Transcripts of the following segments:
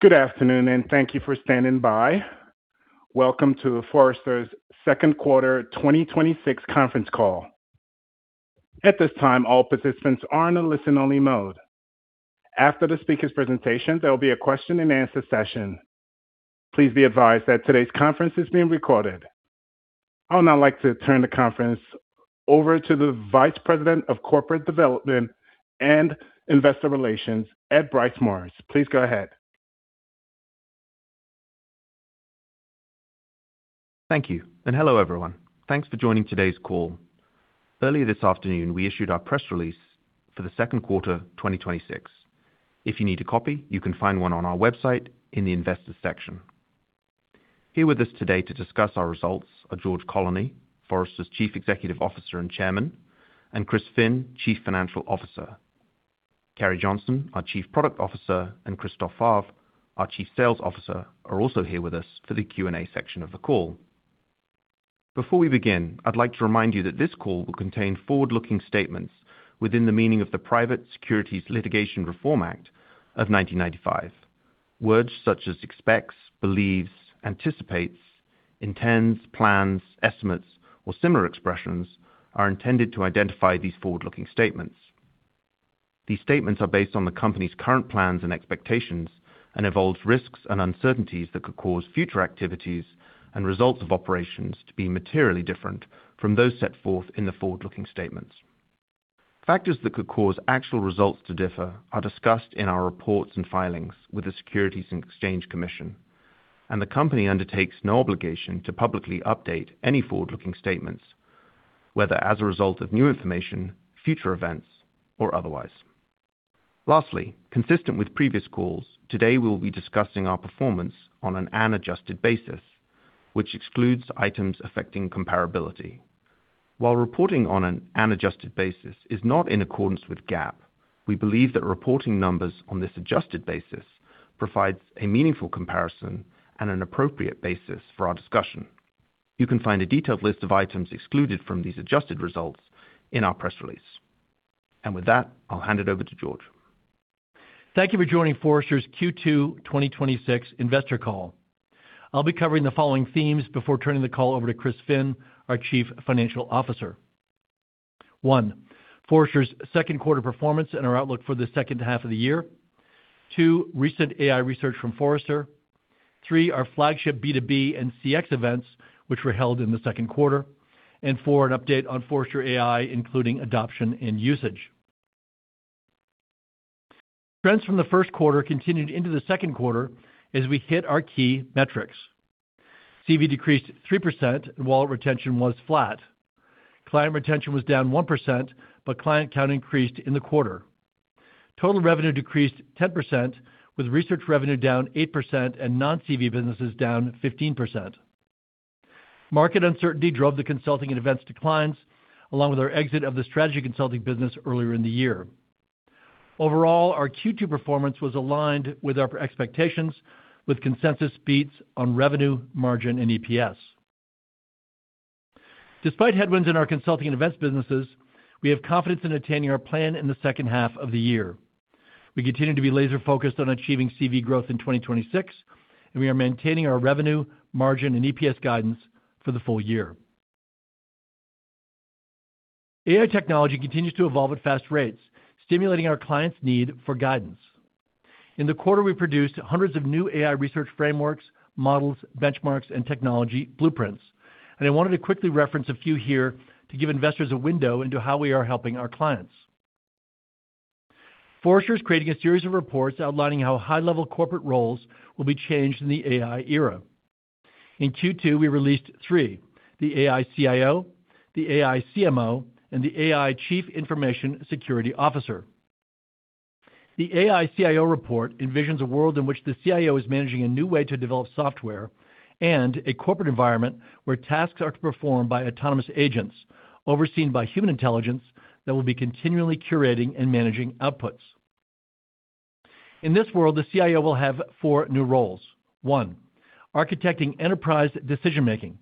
Good afternoon, and thank you for standing by. Welcome to Forrester's second quarter 2026 conference call. At this time, all participants are in a listen-only mode. After the speaker's presentation, there will be a question-and-answer session. Please be advised that today's conference is being recorded. I would now like to turn the conference over to the Vice President of Corporate Development and Investor Relations, Ed Bryce Morris. Please go ahead. Thank you, hello, everyone. Thanks for joining today's call. Earlier this afternoon, we issued our press release for the second quarter 2026. If you need a copy, you can find one on our website in the Investors section. Here with us today to discuss our results are George Colony, Forrester's Chief Executive Officer and Chairman, Chris Finn, Chief Financial Officer. Carrie Johnson, our Chief Product Officer, and Christophe Favre, our Chief Sales Officer, are also here with us for the Q&A section of the call. Before we begin, I'd like to remind you that this call will contain forward-looking statements within the meaning of the Private Securities Litigation Reform Act of 1995. Words such as expects, believes, anticipates, intends, plans, estimates, or similar expressions are intended to identify these forward-looking statements. These statements are based on the company's current plans and expectations and involve risks and uncertainties that could cause future activities and results of operations to be materially different from those set forth in the forward-looking statements. Factors that could cause actual results to differ are discussed in our reports and filings with the Securities and Exchange Commission, the company undertakes no obligation to publicly update any forward-looking statements, whether as a result of new information, future events, or otherwise. Lastly, consistent with previous calls, today we will be discussing our performance on an annual adjusted basis, which excludes items affecting comparability. While reporting on an annual adjusted basis is not in accordance with GAAP, we believe that reporting numbers on this adjusted basis provides a meaningful comparison and an appropriate basis for our discussion. You can find a detailed list of items excluded from these adjusted results in our press release. With that, I'll hand it over to George. Thank you for joining Forrester's Q2 2026 investor call. I'll be covering the following themes before turning the call over to Chris Finn, our Chief Financial Officer. One, Forrester's second quarter performance and our outlook for the second half of the year. Two, recent AI research from Forrester. Three, our flagship B2B and CX events, which were held in the second quarter. And four, an update on Forrester AI, including adoption and usage. Trends from the first quarter continued into the second quarter as we hit our key metrics. CV decreased 3% and wallet retention was flat. Client retention was down 1%, but client count increased in the quarter. Total revenue decreased 10%, with research revenue down 8% and non-CV businesses down 15%. Market uncertainty drove the consulting and events declines, along with our exit of the strategy consulting business earlier in the year. Overall, our Q2 performance was aligned with our expectations, with consensus beats on revenue, margin, and EPS. Despite headwinds in our consulting and events businesses, we have confidence in attaining our plan in the second half of the year. We continue to be laser-focused on achieving CV growth in 2026, and we are maintaining our revenue, margin, and EPS guidance for the full year. AI technology continues to evolve at fast rates, stimulating our clients' need for guidance. In the quarter, we produced hundreds of new AI research frameworks, models, benchmarks, and technology blueprints, and I wanted to quickly reference a few here to give investors a window into how we are helping our clients. Forrester is creating a series of reports outlining how high-level corporate roles will be changed in the AI era. In Q2, we released three: the AI CIO, the AI CMO, and the AI Chief Information Security Officer. The AI CIO report envisions a world in which the CIO is managing a new way to develop software and a corporate environment where tasks are to be performed by autonomous agents overseen by human intelligence that will be continually curating and managing outputs. In this world, the CIO will have four new roles. One, architecting enterprise decision-making.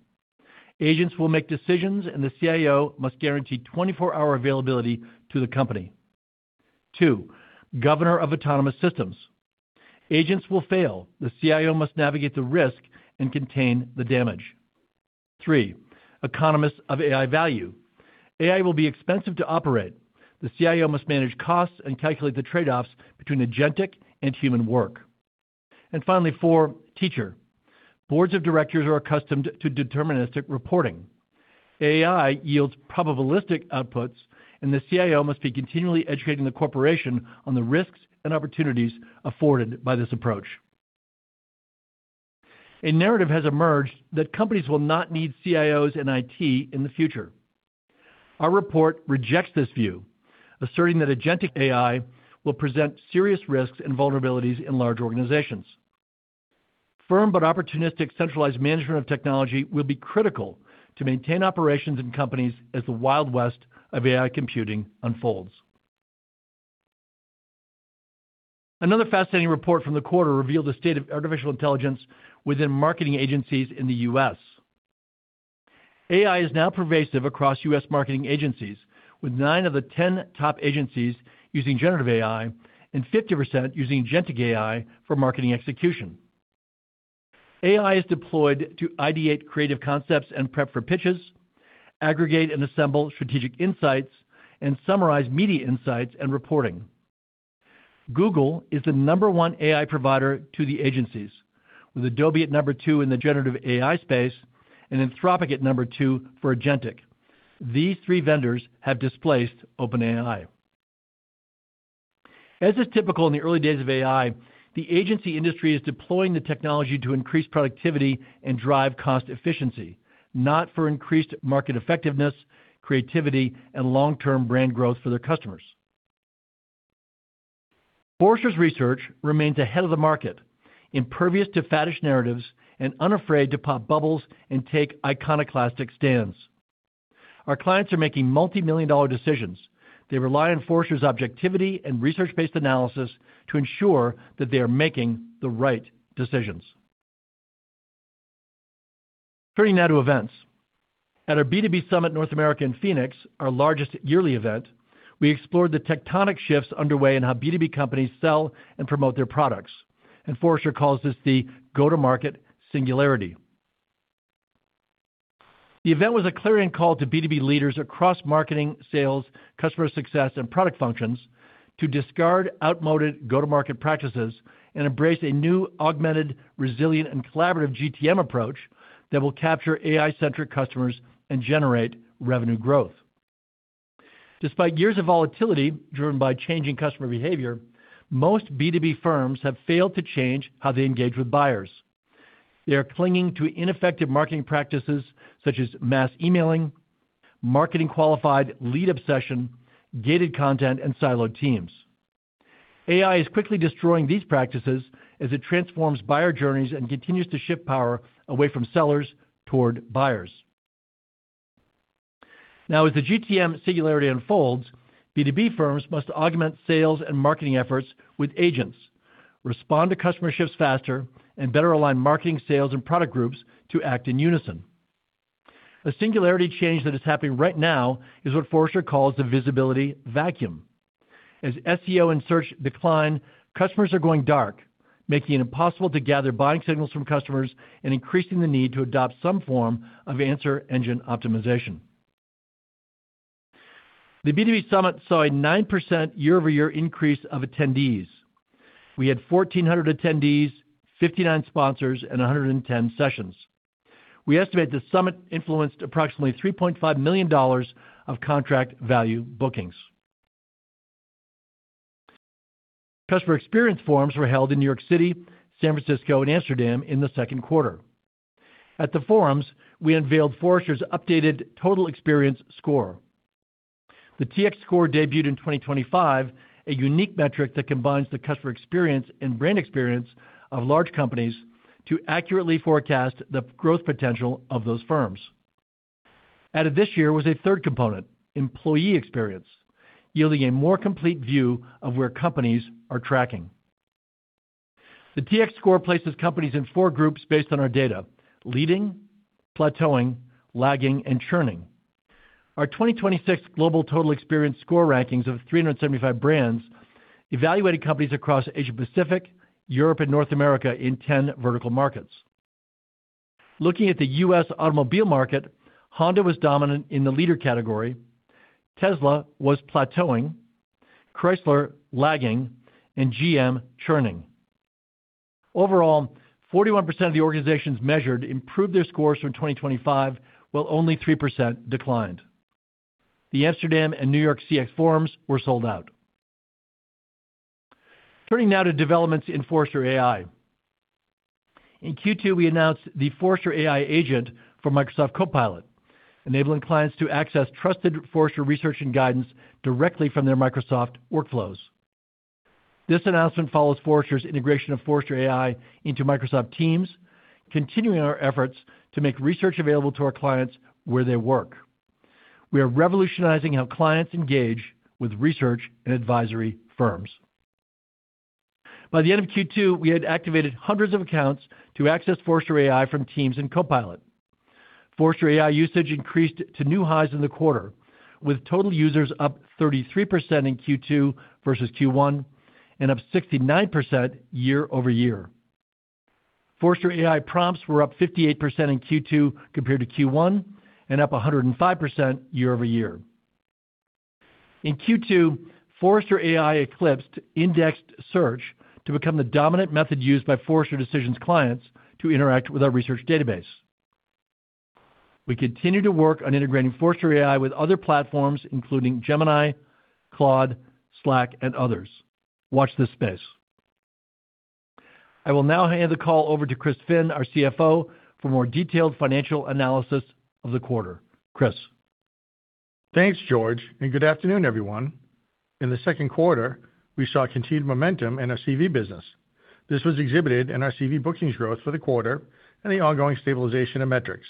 Agents will make decisions, and the CIO must guarantee 24-hour availability to the company. Two, governor of autonomous systems. Agents will fail. The CIO must navigate the risk and contain the damage. Three, economist of AI value. AI will be expensive to operate. The CIO must manage costs and calculate the trade-offs between agentic and human work. Finally, four, teacher. Boards of directors are accustomed to deterministic reporting. AI yields probabilistic outputs, and the CIO must be continually educating the corporation on the risks and opportunities afforded by this approach. A narrative has emerged that companies will not need CIOs and IT in the future. Our report rejects this view, asserting that agentic AI will present serious risks and vulnerabilities in large organizations. Firm but opportunistic centralized management of technology will be critical to maintain operations in companies as the Wild West of AI computing unfolds. Another fascinating report from the quarter revealed the state of artificial intelligence within marketing agencies in the U.S. AI is now pervasive across U.S. marketing agencies, with nine of the 10 top agencies using generative AI and 50% using agentic AI for marketing execution. AI is deployed to ideate creative concepts and prep for pitches, aggregate and assemble strategic insights, and summarize media insights and reporting. Google is the number one AI provider to the agencies, with Adobe at number two in the generative AI space and Anthropic at number two for agentic. These three vendors have displaced OpenAI. As is typical in the early days of AI, the agency industry is deploying the technology to increase productivity and drive cost efficiency, not for increased market effectiveness, creativity, and long-term brand growth for their customers. Forrester's research remains ahead of the market, impervious to faddish narratives, and unafraid to pop bubbles and take iconoclastic stands. Our clients are making multimillion-dollar decisions. They rely on Forrester's objectivity and research-based analysis to ensure that they are making the right decisions. Turning now to events. At our B2B Summit North America in Phoenix, our largest yearly event, we explored the tectonic shifts underway in how B2B companies sell and promote their products. Forrester calls this the go-to-market singularity. The event was a clearing call to B2B leaders across marketing, sales, customer success, and product functions to discard outmoded go-to-market practices and embrace a new, augmented, resilient, and collaborative GTM approach that will capture AI-centric customers and generate revenue growth. Despite years of volatility driven by changing customer behavior, most B2B firms have failed to change how they engage with buyers. They are clinging to ineffective marketing practices such as mass emailing, marketing qualified lead obsession, gated content, and siloed teams. AI is quickly destroying these practices as it transforms buyer journeys and continues to shift power away from sellers toward buyers. As the GTM singularity unfolds, B2B firms must augment sales and marketing efforts with agents, respond to customer shifts faster, and better align marketing, sales, and product groups to act in unison. A singularity change that is happening right now is what Forrester calls the visibility vacuum. As SEO and search decline, customers are going dark, making it impossible to gather buying signals from customers and increasing the need to adopt some form of answer engine optimization. The B2B summit saw a 9% year-over-year increase of attendees. We had 1,400 attendees, 59 sponsors, and 110 sessions. We estimate the summit influenced approximately $3.5 million of contract value bookings. Customer experience forums were held in New York City, San Francisco, and Amsterdam in the second quarter. At the forums, we unveiled Forrester's updated Total Experience score. The TX score debuted in 2025, a unique metric that combines the customer experience and brand experience of large companies to accurately forecast the growth potential of those firms. Added this year was a third component, employee experience, yielding a more complete view of where companies are tracking. The TX score places companies in four groups based on our data: leading, plateauing, lagging, and churning. Our 2026 global Total Experience score rankings of 375 brands evaluated companies across Asia-Pacific, Europe, and North America in 10 vertical markets. Looking at the U.S. automobile market, Honda was dominant in the leader category, Tesla was plateauing, Chrysler lagging, and GM churning. Overall, 41% of the organizations measured improved their scores from 2025, while only 3% declined. The Amsterdam and New York CX forums were sold out. Turning now to developments in Forrester AI. In Q2, we announced the Forrester AI agent for Microsoft Copilot, enabling clients to access trusted Forrester research and guidance directly from their Microsoft workflows. This announcement follows Forrester's integration of Forrester AI into Microsoft Teams, continuing our efforts to make research available to our clients where they work. We are revolutionizing how clients engage with research and advisory firms. By the end of Q2, we had activated hundreds of accounts to access Forrester AI from Teams and Copilot. Forrester AI usage increased to new highs in the quarter, with total users up 33% in Q2 versus Q1 and up 69% year-over-year. Forrester AI prompts were up 58% in Q2 compared to Q1 and up 105% year-over-year. In Q2, Forrester AI eclipsed indexed search to become the dominant method used by Forrester Decisions clients to interact with our research database. We continue to work on integrating Forrester AI with other platforms, including Gemini, Claude, Slack, and others. Watch this space. I will now hand the call over to Chris Finn, our CFO, for more detailed financial analysis of the quarter. Chris? Thanks, George, good afternoon, everyone. In the second quarter, we saw continued momentum in our CV business. This was exhibited in our CV bookings growth for the quarter and the ongoing stabilization of metrics.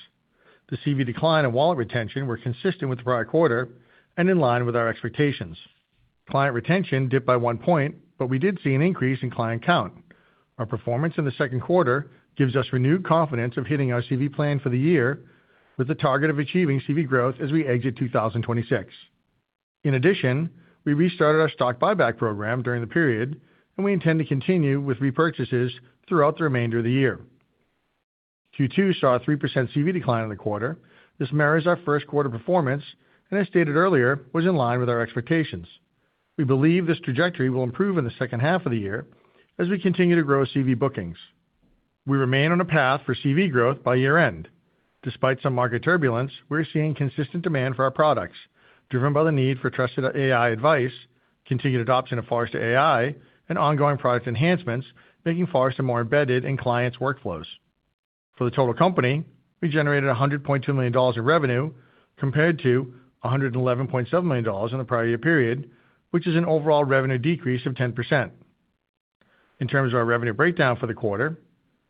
The CV decline and wallet retention were consistent with the prior quarter and in line with our expectations. Client retention dipped by one point, but we did see an increase in client count. Our performance in the second quarter gives us renewed confidence of hitting our CV plan for the year with the target of achieving CV growth as we exit 2026. In addition, we restarted our stock buyback program during the period. We intend to continue with repurchases throughout the remainder of the year. Q2 saw a 3% CV decline in the quarter. This mirrors our first quarter performance, as stated earlier, was in line with our expectations. We believe this trajectory will improve in the second half of the year as we continue to grow CV bookings. We remain on a path for CV growth by year-end. Despite some market turbulence, we're seeing consistent demand for our products, driven by the need for trusted AI advice, continued adoption of Forrester AI, and ongoing product enhancements, making Forrester more embedded in clients' workflows. For the total company, we generated $100.2 million of revenue compared to $111.7 million in the prior year period, which is an overall revenue decrease of 10%. In terms of our revenue breakdown for the quarter,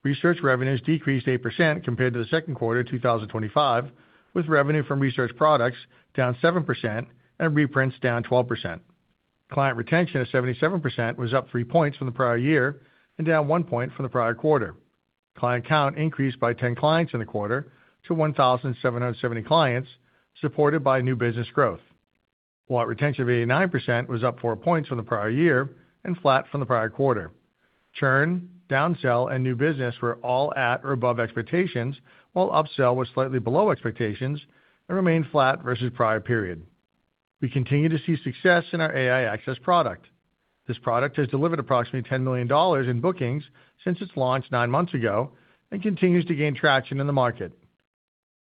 research revenues decreased 8% compared to the second quarter 2025, with revenue from research products down 7% and reprints down 12%. Client retention of 77% was up three points from the prior year and down one point from the prior quarter. Client count increased by 10 clients in the quarter to 1,770 clients, supported by new business growth, while retention of 89% was up four points from the prior year and flat from the prior quarter. Churn, down-sell, and new business were all at or above expectations, while up-sell was slightly below expectations and remained flat versus prior period. We continue to see success in our Forrester AI Access product. This product has delivered approximately $10 million in bookings since its launch nine months ago and continues to gain traction in the market.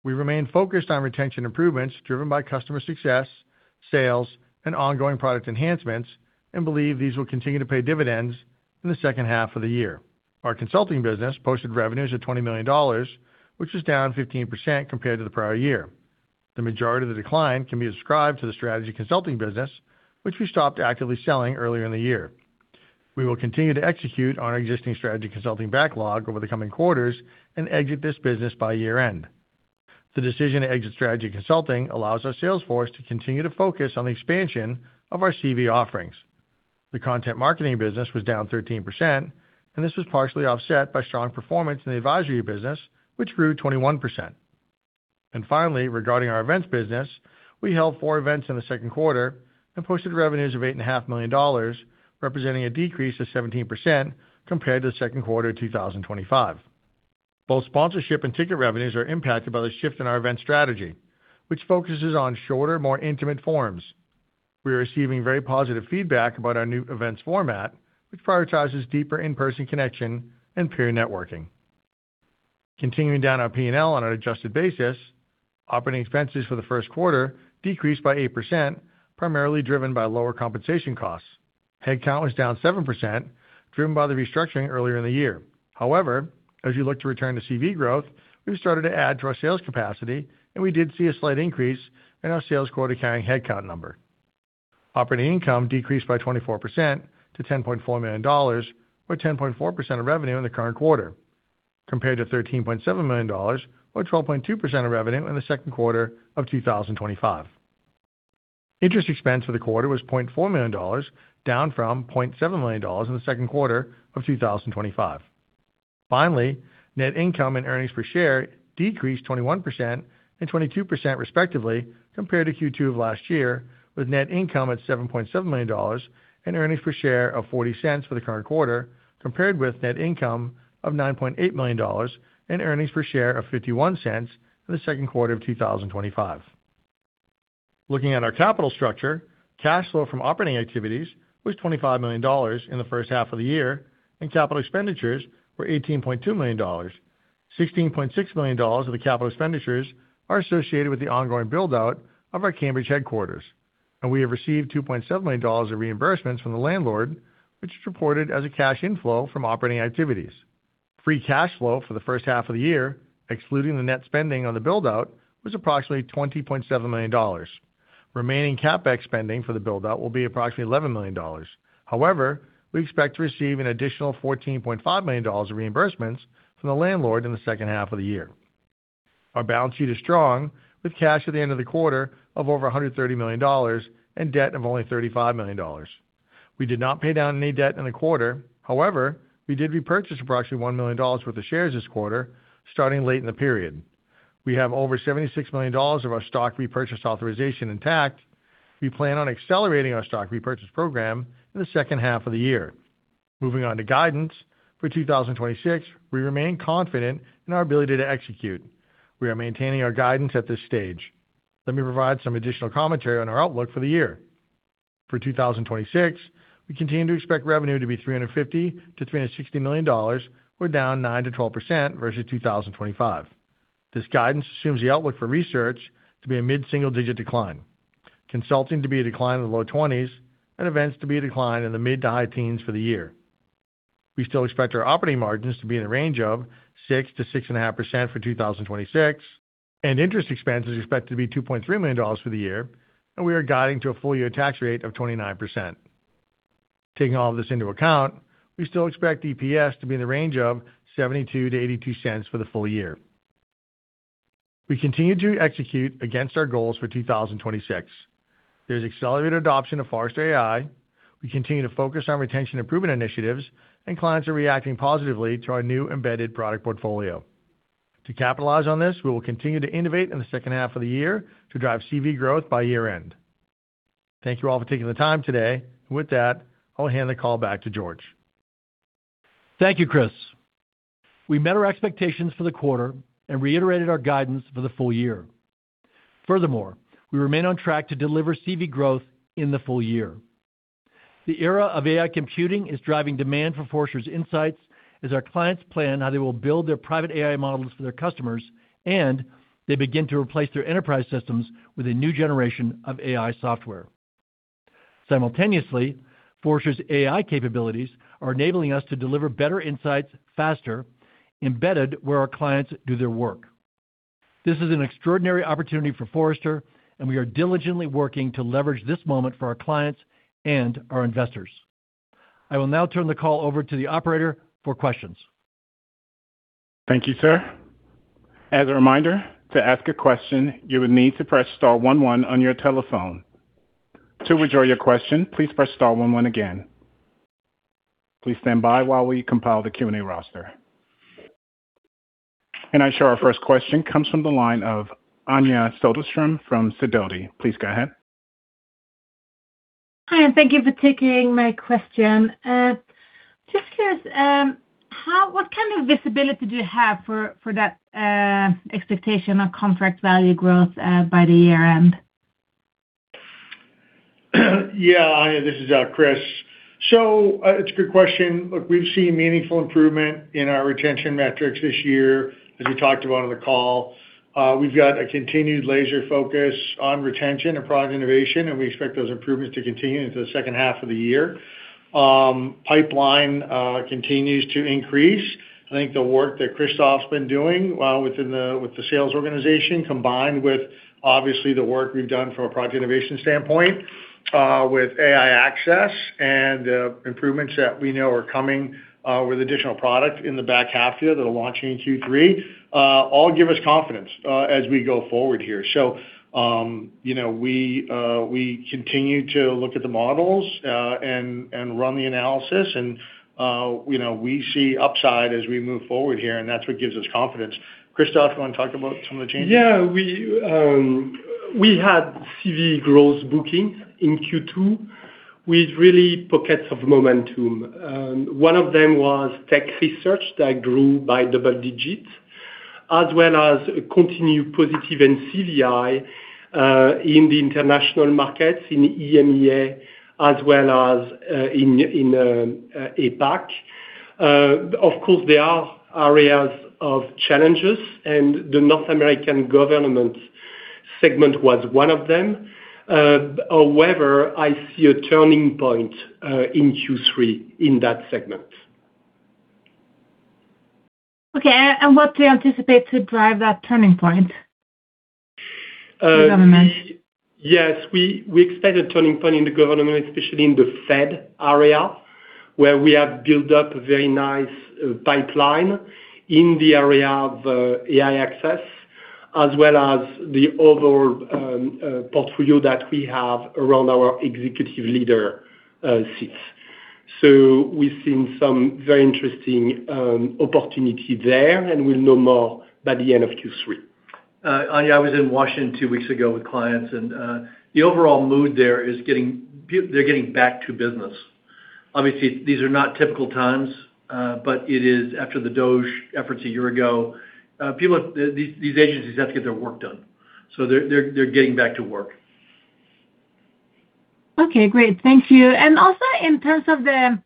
We remain focused on retention improvements driven by customer success, sales, and ongoing product enhancements and believe these will continue to pay dividends in the second half of the year. Our consulting business posted revenues of $20 million, which was down 15% compared to the prior year. The majority of the decline can be ascribed to the strategy consulting business, which we stopped actively selling earlier in the year. We will continue to execute on our existing strategy consulting backlog over the coming quarters and exit this business by year-end. The decision to exit strategy consulting allows our sales force to continue to focus on the expansion of our CV offerings. The content marketing business was down 13%, and this was partially offset by strong performance in the advisory business, which grew 21%. Finally, regarding our events business, we held four events in the second quarter and posted revenues of $8.5 million, representing a decrease of 17% compared to the second quarter 2025. Both sponsorship and ticket revenues are impacted by the shift in our event strategy, which focuses on shorter, more intimate forums. We are receiving very positive feedback about our new events format, which prioritizes deeper in-person connection and peer networking. Continuing down our P&L on an adjusted basis, operating expenses for the first quarter decreased by 8%, primarily driven by lower compensation costs. Headcount was down 7%, driven by the restructuring earlier in the year. However, as you look to return to CV growth, we've started to add to our sales capacity, and we did see a slight increase in our sales quota-carrying headcount number. Operating income decreased by 24% to $10.4 million or 10.4% of revenue in the current quarter, compared to $13.7 million or 12.2% of revenue in the second quarter of 2025. Interest expense for the quarter was $0.4 million, down from $0.7 million in the second quarter of 2025. Net income and earnings per share decreased 21% and 22% respectively compared to Q2 of last year, with net income at $7.7 million and earnings per share of $0.40 for the current quarter, compared with net income of $9.8 million and earnings per share of $0.51 in the second quarter of 2025. Looking at our capital structure, cash flow from operating activities was $25 million in the first half of the year, and capital expenditures were $18.2 million. $16.6 million of the capital expenditures are associated with the ongoing build-out of our Cambridge headquarters, and we have received $2.7 million of reimbursements from the landlord, which is reported as a cash inflow from operating activities. Free cash flow for the first half of the year, excluding the net spending on the build-out, was approximately $20.7 million. Remaining CapEx spending for the build-out will be approximately $11 million. We expect to receive an additional $14.5 million of reimbursements from the landlord in the second half of the year. Our balance sheet is strong with cash at the end of the quarter of over $130 million and debt of only $35 million. We did not pay down any debt in the quarter. We did repurchase approximately $1 million worth of shares this quarter starting late in the period. We have over $76 million of our stock repurchase authorization intact. We plan on accelerating our stock repurchase program in the second half of the year. Moving on to guidance. For 2026, we remain confident in our ability to execute. We are maintaining our guidance at this stage. Let me provide some additional commentary on our outlook for the year. For 2026, we continue to expect revenue to be $350 million-$360 million, or down 9%-12% versus 2025. This guidance assumes the outlook for research to be a mid-single-digit decline, consulting to be a decline in the low 20s, and events to be a decline in the mid to high teens for the year. We still expect our operating margins to be in the range of 6%-6.5% for 2026, and interest expense is expected to be $2.3 million for the year, and we are guiding to a full-year tax rate of 29%. Taking all this into account, we still expect EPS to be in the range of $0.72-$0.82 for the full year. We continue to execute against our goals for 2026. There's accelerated adoption of Forrester AI. We continue to focus on retention improvement initiatives, and clients are reacting positively to our new embedded product portfolio. To capitalize on this, we will continue to innovate in the second half of the year to drive CV growth by year-end. Thank you all for taking the time today. With that, I'll hand the call back to George. Thank you, Chris. We met our expectations for the quarter and reiterated our guidance for the full year. We remain on track to deliver CV growth in the full year. The era of AI computing is driving demand for Forrester's insights as our clients plan how they will build their private AI models for their customers, and they begin to replace their enterprise systems with a new generation of AI software. Simultaneously, Forrester's AI capabilities are enabling us to deliver better insights faster, embedded where our clients do their work. This is an extraordinary opportunity for Forrester, and we are diligently working to leverage this moment for our clients and our investors. I will now turn the call over to the operator for questions. Thank you, sir. As a reminder, to ask a question, you will need to press star 11 on your telephone. To withdraw your question, please press star 11 again. Please stand by while we compile the Q&A roster. I show our first question comes from the line of Anja Soderstrom from Sidoti. Please go ahead. Hi, thank you for taking my question. Just curious, what kind of visibility do you have for that expectation of contract value growth by the year-end? Yeah, Anja, this is Chris. It's a good question. Look, we've seen meaningful improvement in our retention metrics this year, as we talked about on the call. We've got a continued laser focus on retention and product innovation, and we expect those improvements to continue into the second half of the year. Pipeline continues to increase. I think the work that Christophe's been doing with the sales organization, combined with, obviously, the work we've done from a product innovation standpoint with AI Access and the improvements that we know are coming with additional product in the back half of the year that are launching in Q3 all give us confidence as we go forward here. We continue to look at the models and run the analysis and we see upside as we move forward here, and that's what gives us confidence. Christophe, you want to talk about some of the changes? Yeah. We had CV growth bookings in Q2 with really pockets of momentum. One of them was tech research that grew by double digits, as well as continued positive in CV in the international markets, in EMEA as well as in APAC. Of course, there are areas of challenges, and the North American government segment was one of them. However, I see a turning point in Q3 in that segment. Okay. What do you anticipate to drive that turning point in government? Yes. We expect a turning point in the government, especially in the Fed area, where we have built up a very nice pipeline in the area of AI access, as well as the overall portfolio that we have around our executive leader seats. We've seen some very interesting opportunity there, and we'll know more by the end of Q3. Anja, I was in Washington two weeks ago with clients, and the overall mood there is they're getting back to business. Obviously, these are not typical times, but it is after the DOGE efforts a year ago, these agencies have to get their work done. They're getting back to work. Okay, great. Thank you. Also, in terms of the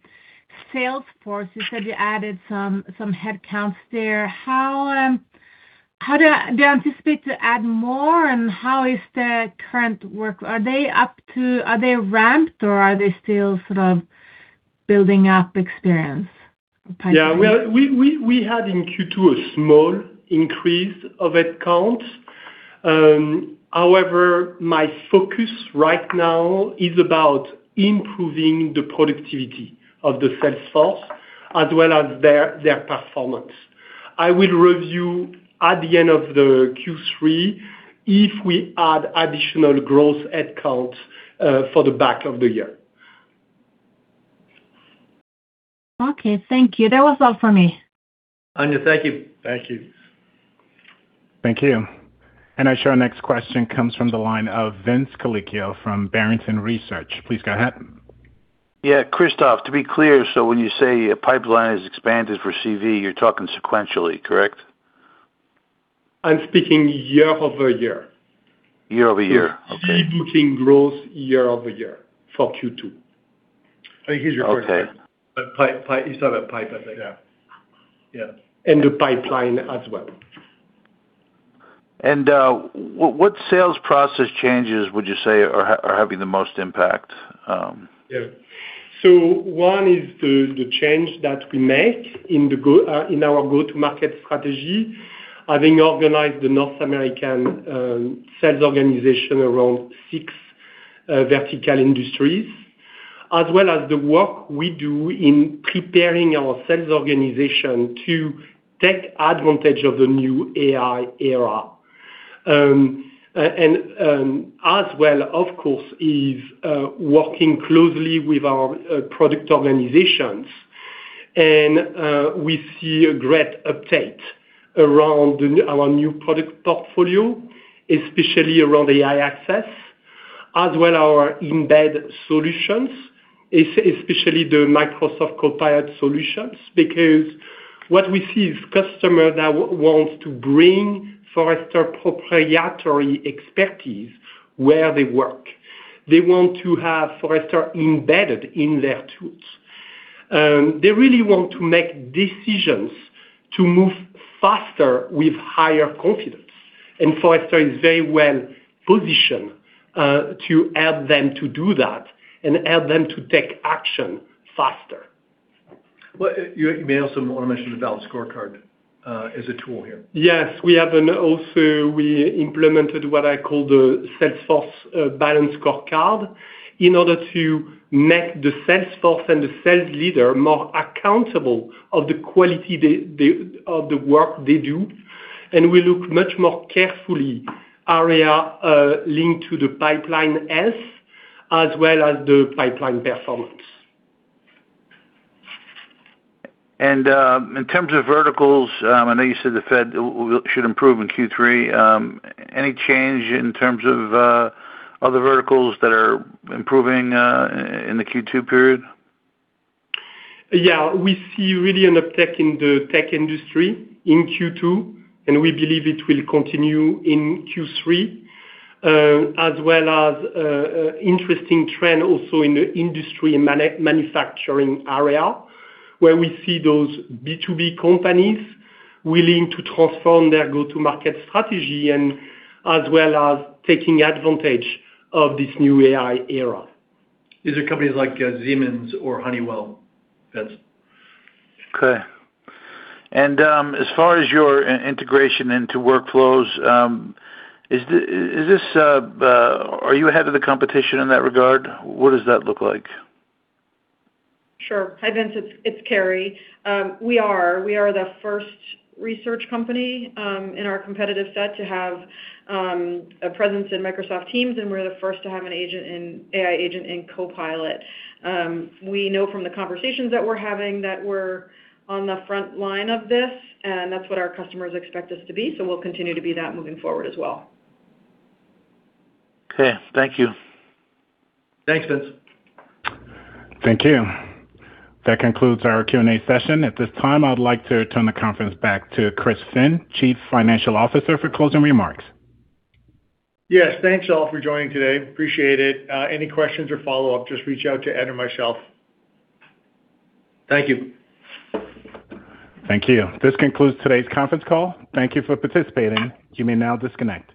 sales force, you said you added some headcounts there. Do you anticipate to add more, and how is the current work? Are they ramped, or are they still sort of building up experience? Yeah. We had in Q2 a small increase of headcounts. However, my focus right now is about improving the productivity of the sales force as well as their performance. I will review at the end of the Q3 if we add additional growth headcounts for the back of the year. Okay, thank you. That was all for me. Anja, thank you. Thank you. Thank you. Our next question comes from the line of Vince Colicchio from Barrington Research. Please go ahead. Yeah. Christophe, to be clear, when you say a pipeline is expanded for CV, you're talking sequentially, correct? I'm speaking year-over-year. Year-over-year. Okay. See booking growth year-over-year for Q2. Here's your question. Okay. You still have pipe up there. Yeah. The pipeline as well. What sales process changes would you say are having the most impact? Yeah. One is the change that we make in our go-to-market strategy, having organized the North American sales organization around six vertical industries. As well as the work we do in preparing our sales organization to take advantage of the new AI era. As well, of course, is working closely with our product organizations. We see a great uptake around our new product portfolio, especially around AI Access, as well our embed solutions, especially the Microsoft Copilot solutions. What we see is customer now wants to bring Forrester proprietary expertise where they work. They want to have Forrester embedded in their tools. They really want to make decisions to move faster with higher confidence. Forrester is very well-positioned to help them to do that and help them to take action faster. Well, you may also want to mention the balanced scorecard as a tool here. Yes. We have also, we implemented what I call the sales force balanced scorecard in order to make the sales force and the sales leader more accountable of the quality of the work they do. We look much more carefully area linked to the pipeline health as well as the pipeline performance. In terms of verticals, I know you said the Fed should improve in Q3. Any change in terms of other verticals that are improving in the Q2 period? Yeah. We see really an uptick in the tech industry in Q2. We believe it will continue in Q3, as well as interesting trend also in the industry and manufacturing area, where we see those B2B companies willing to transform their go-to-market strategy as well as taking advantage of this new AI era. These are companies like Siemens or Honeywell, Vince. Okay. As far as your integration into workflows, are you ahead of the competition in that regard? What does that look like? Sure. Hi, Vince, it's Carrie. We are. We are the first research company in our competitive set to have a presence in Microsoft Teams, and we're the first to have an AI agent in Copilot. We know from the conversations that we're having that we're on the front line of this, and that's what our customers expect us to be, so we'll continue to be that moving forward as well. Okay. Thank you. Thanks, Vince. Thank you. That concludes our Q&A session. At this time, I'd like to turn the conference back to Chris Finn, Chief Financial Officer, for closing remarks. Yes. Thanks, all, for joining today. Appreciate it. Any questions or follow-up, just reach out to Ed or myself. Thank you. Thank you. This concludes today's conference call. Thank you for participating. You may now disconnect.